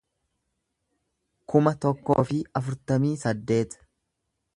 kuma tokkoo fi afurtamii saddeet